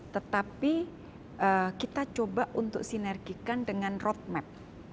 tetapi kita coba untuk sinergikan dengan roadmap